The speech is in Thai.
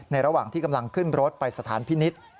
ระหว่างที่กำลังขึ้นรถไปสถานพินิษฐ์